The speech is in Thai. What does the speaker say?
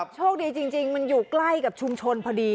โชคดีจริงมันอยู่ใกล้กับชุมชนพอดี